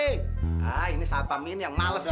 nah ini saat pemin yang males nih